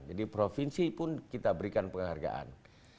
jadi provinsi pun kita berikan penghargaan